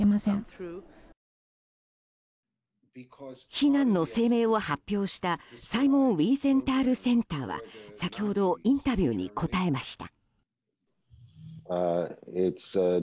非難の声明を発表したサイモン・ウィーゼンタール・センターは先ほどインタビューに答えました。